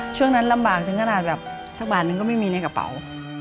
ช่วงนั้นลำบากถึงขนาดแบบสักบาทนึงก็ไม่มีในกระเป๋า